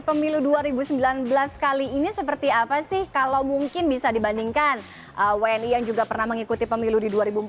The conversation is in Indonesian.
pemilu dua ribu sembilan belas kali ini seperti apa sih kalau mungkin bisa dibandingkan wni yang juga pernah mengikuti pemilu di dua ribu empat belas